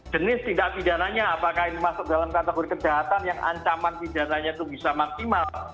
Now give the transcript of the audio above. jenis tindak pidananya apakah ini masuk dalam kategori kejahatan yang ancaman pidananya itu bisa maksimal